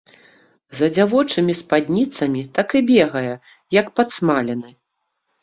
За дзявочымі спадніцамі так і бегае як падсмалены.